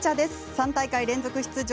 ３大会連続出場